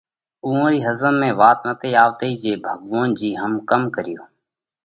اُوئون رِي ۿزم ۾ وات نتئِي آوَتئِي جي ڀڳوونَ جِي هم ڪم ڪريو؟